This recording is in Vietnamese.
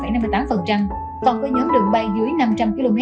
còn với nhóm đường bay dưới năm trăm linh km